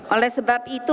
oleh sebab itu